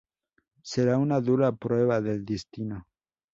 Será una dura prueba del destino.